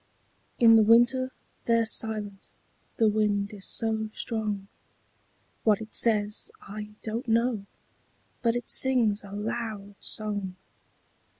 In the winter they're silent the wind is so strong; What it says, I don't know, but it sings a loud song.